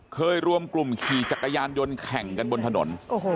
เคยรวมกลุ่มขี่จักรยานยนต์แข่งกันบนถนน